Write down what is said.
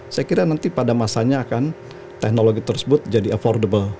saya kira nanti pada masanya akan teknologi tersebut jadi affordable